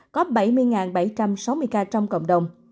có bảy mươi bảy trăm sáu mươi ca trong cộng đồng